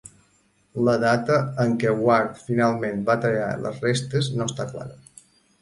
La data en què Ward finalment va tallar les restes no està clara.